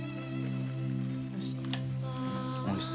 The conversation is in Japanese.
おいしい？